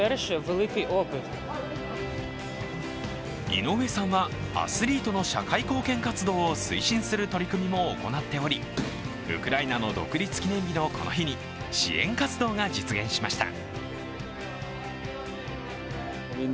井上さんは、アスリートの社会貢献活動を推進する取り組みも行っておりウクライナの独立記念日のこの日に支援活動が実現しました。